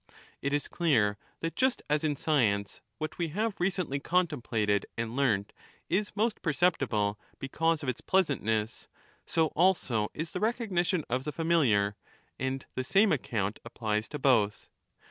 It is clear that just as in science what we have recently contemplated and 25 learnt is most perceptible f because of its pleasantness f, so also is the recognition of the familiar, and the same account applies to both.